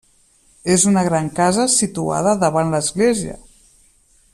És una gran casa situada davant l'església.